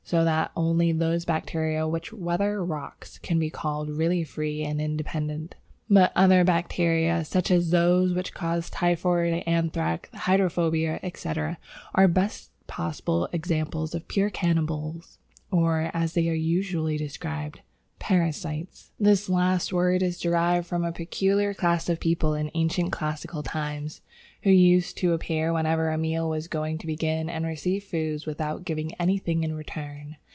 So that only those bacteria which weather rocks can be called really free and independent. But other bacteria, such as those which cause typhoid, anthrax, hydrophobia, etc., are the best possible examples of pure cannibals, or, as they are usually described, parasites. This last word is derived from a peculiar class of people in ancient classical times, who used to appear whenever a meal was going to begin, and received food without giving anything in return.